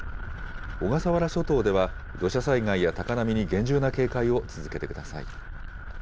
小笠原諸島では土砂災害や高波に厳重な警戒を続けてください。